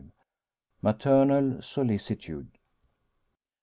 MATERNAL SOLICITUDE.